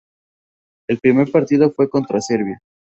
El primer partido fue contra Serbia.